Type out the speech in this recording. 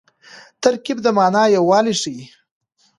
ترکیب د مانا یووالی ښيي.